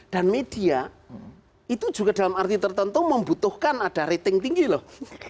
dan media itu juga dalam arti tertentu membutuhkan ada rating tinggi loh